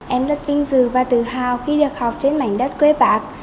em rất vinh dự và tự hào khi được học trên mảnh đất quê bạc